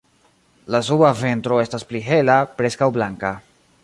La suba ventro estas pli hela, preskaŭ blanka.